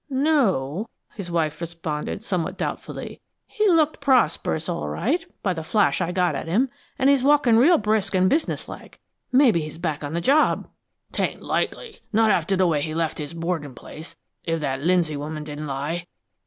"No o," his wife responded, somewhat doubtfully. "He looked prosperous, all right, by the flash I got at him, an' he's walkin' real brisk and businesslike. Maybe he's back on the job." "'Tain't likely, not after the way he left his boarding place, if that Lindsay woman didn't lie."